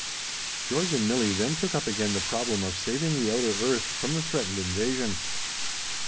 George and Milli then took up again the problem of saving the outer earth from the threatened invasion.